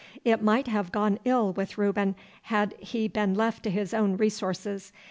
It might have gone ill with Reuben had he been left to his own resources.